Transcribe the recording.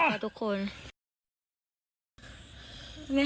หมามาจากไหนไม่รู้นะคะทุกคน